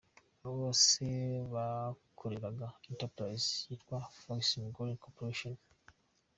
Aba bose bakoreraga entreprise yitwa Fuxin Coal Corporation.